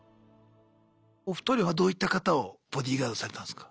お二人はどういった方をボディーガードされたんすか？